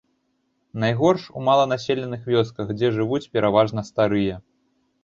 Найгорш у маланаселеных вёсках, дзе жывуць пераважна старыя.